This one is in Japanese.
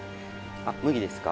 あっ麦ですか？